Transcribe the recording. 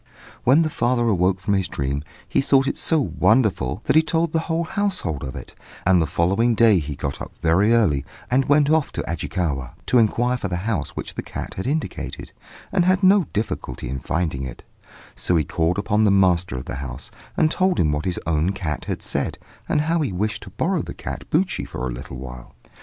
"When the father awoke from his dream, he thought it so wonderful, that he told the household of it; and the following day he got up very early and went off to Ajikawa, to inquire for the house which the cat had indicated, and had no difficulty in finding it; so he called upon the master of the house, and told him what his own cat had said, and how he wished to borrow the cat Buchi for a little while.